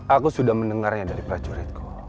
aku sudah mendengarnya dari pak curitku